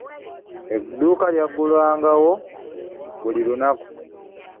Edduuka lyagulwangawo buli lunaku.